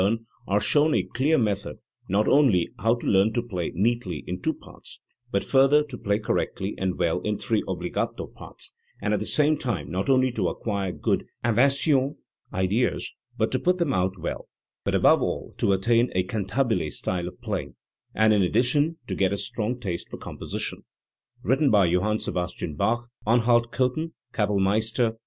The Little Preludes, Inventions and Sinfonias, 329 are shown a clear method not only how to learn to play neatly in two parts, but further to play correctly and well in three obbligato parts; and at the same time not only to acquire good inventiones [ideas] but to work them out well; but above all to attain a cantabile style of playing, and in addition to get a strong taste for composition. Written by Joh. Seb. Bach, Hochf. Anhalt Cdthen Kapell meister.